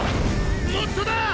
もっとだ！！